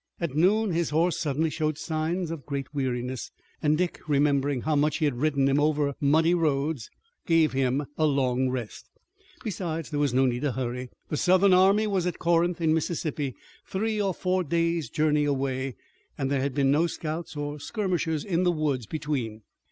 At noon his horse suddenly showed signs of great weariness, and Dick, remembering how much he had ridden him over muddy roads, gave him a long rest. Besides, there was no need to hurry. The Southern army was at Corinth, in Mississippi, three or four days' journey away, and there had been no scouts or skirmishers in the woods between.